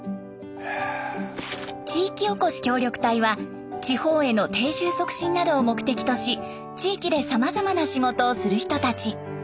地域おこし協力隊は地方への定住促進などを目的とし地域でさまざまな仕事をする人たち。